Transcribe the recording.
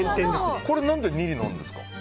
何で２位なんですか？